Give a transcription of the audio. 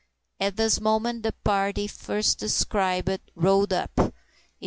At this moment the party first descried rode up.